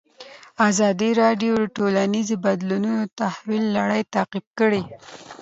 ازادي راډیو د ټولنیز بدلون د تحول لړۍ تعقیب کړې.